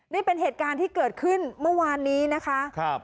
นี่เป็นเหตุการณ์ที่เกิดขึ้นเมื่อวานนี้นะคะ